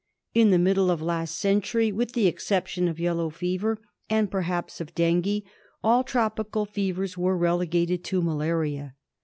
In the middle of last century, with the excep tion of Yellow Fever and perhaps of Dengue, all tropical fevers were relegated to Malaria.